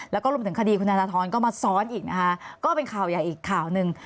แล้วก็รวมถึงคดีคุณธนทรก็มาซ้อนอีกนะคะก็เป็นข่าวใหญ่อีกข่าวหนึ่ง